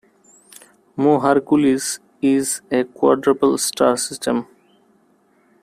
Mu Herculis is a quadruple star system.